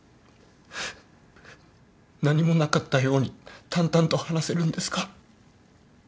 何もなかったように淡々と話せるんですか？